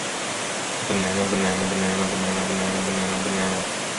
Streams in the area have been recognized for their high water quality.